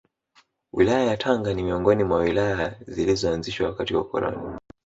Wilaya yaTanga ni miongoni mwa Wilaya zilizoanzishwa wakati wa ukoloni